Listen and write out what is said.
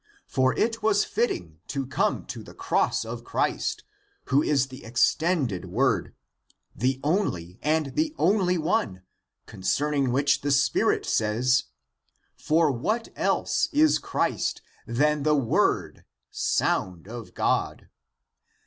For it was fitting to come to the cross of Christ, who is the extended word, the one and only one, concerning which the Spirit ^'^^ says : For what else is Christ than the Word, sound of God?